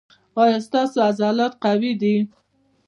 ایا ستاسو عضلات قوي دي؟